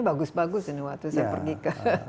bagus bagus ini waktu saya pergi ke